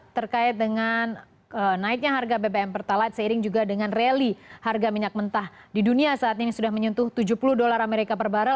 terkait dengan naiknya harga bbm pertalite seiring juga dengan rally harga minyak mentah di dunia saat ini sudah menyentuh tujuh puluh dolar amerika per barrel